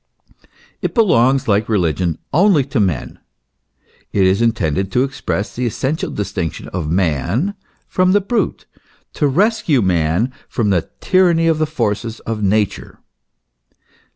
It belongs, like religion, only to man ; it is intended to express the essential distinction of man from the brute, to rescue man from the tyranny of the forces of Nature.